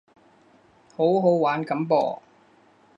好好玩噉噃